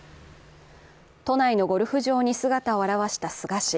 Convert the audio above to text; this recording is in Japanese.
都内のゴルフ場に姿を現した菅氏。